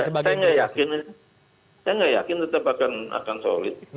saya nggak yakin tetap akan solid